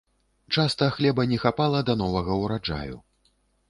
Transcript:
Часта хлеба не хапала да новага ўраджаю.